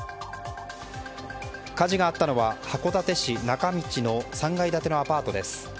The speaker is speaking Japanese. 火事があったのは函館市中道の３階建てのアパートです。